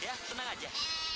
ya tenang aja